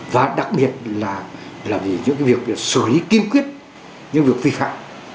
và đặc biệt là những việc xử lý kiên quyết những việc phi phạm